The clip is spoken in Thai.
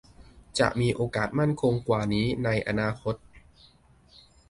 จะมีโอกาสมั่นคงกว่านี้ในอนาคต